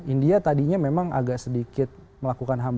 india tadinya memang agak sedikit melakukan hal